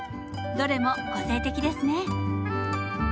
どれも個性的ですね。